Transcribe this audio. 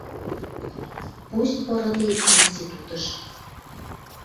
Пусть пырыде институтыш